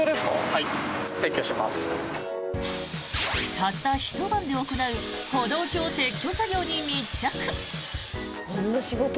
たったひと晩で行う歩道橋撤去作業に密着。